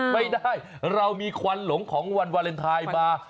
ไม่ได้เรามีควันหลงของวันวาเลนไทยมา